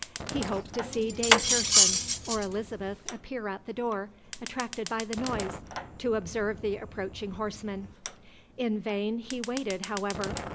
He hoped to see Dame Pearson or Elizabeth appear at the door, attracted by the noise, to observe the approaching horsemen. In vain he waited however.